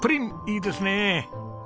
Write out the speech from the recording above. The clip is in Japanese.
いいですね。